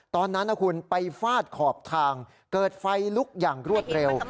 ตอนนั้นนะคุณไปฟาดขอบทางเกิดไฟลุกอย่างรวดเร็ว